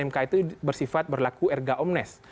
mk itu bersifat berlaku erga omnes